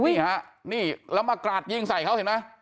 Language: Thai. นี่ฮะนี่แล้วมากราดยิงใส่เขาเห็นไหม